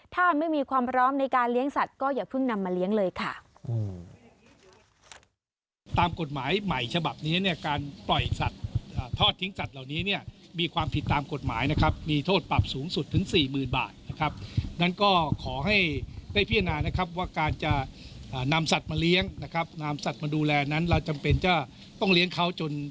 ถ้าไม่มีความพร้อมในการเลี้ยงสัตว์ก็อย่าเพิ่งนำมาเลี้ยงเลยค่ะ